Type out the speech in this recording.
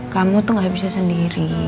kamu tuh gak bisa sendiri